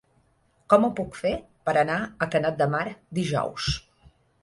Com ho puc fer per anar a Canet de Mar dijous?